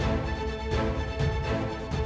ini adalah jalannya